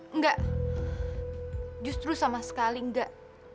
enggak justru sama sekali enggak